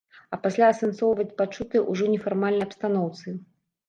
А пасля асэнсоўваць пачутае ўжо ў нефармальнай абстаноўцы.